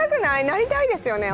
なりたいですよね？